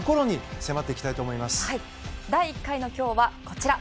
山本：第１回の今日は、こちら。